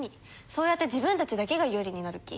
そうやって自分たちだけが有利になる気？